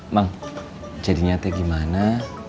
mang jadinya teh gimana